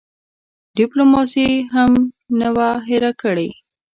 ډیپلوماسي هم نه وه هېره کړې.